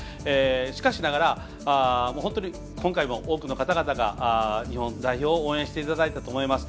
しかしながら、本当に今回多くの方々が日本代表を応援していただいたと思います。